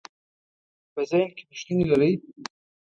په ذهن کې پوښتنې لرئ؟